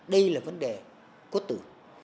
đây là vấn đề quốc tử